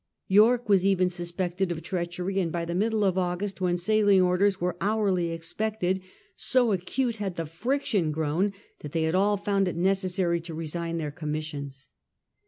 Yorke was even suspected of treachery, and by the middle of August, when sailing orders were hourly expected, so acute had the friction grown that they all found it necessary to resign their commissions.